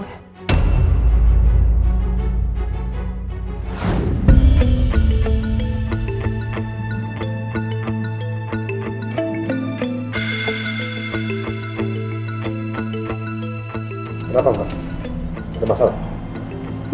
kenapa mbak ada masalah